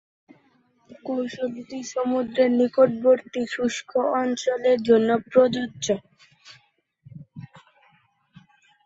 কৌশলটি সমুদ্রের নিকটবর্তী শুষ্ক অঞ্চলের জন্য প্রযোজ্য।